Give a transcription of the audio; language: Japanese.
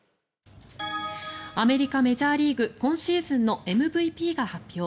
アメリカ・メジャーリーグ今シーズンのＭＶＰが発表。